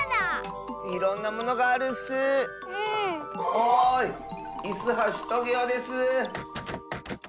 おいイスはしトゲオです。